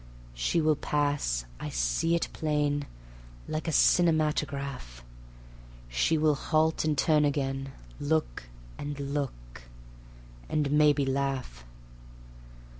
She will pass (I see it plain, Like a cinematograph), She will halt and turn again, Look and look, and maybe laugh.